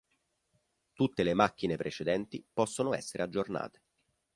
Tutte le macchine precedenti possono essere aggiornate.